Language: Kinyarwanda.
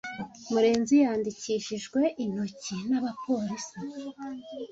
Murenzi yandikishijwe intoki n'abapolisi.